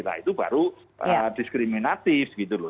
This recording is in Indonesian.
nah itu baru diskriminatif gitu loh